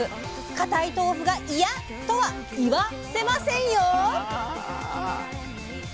固い豆腐が「いや」とは「いわ」せませんよ。